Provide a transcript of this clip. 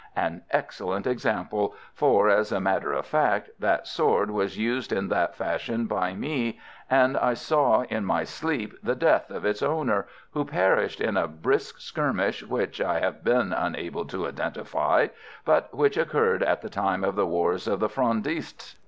"An excellent example, for, as a matter of fact, that sword was used in that fashion by me, and I saw in my sleep the death of its owner, who perished in a brisk skirmish, which I have been unable to identify, but which occurred at the time of the wars of the Frondists.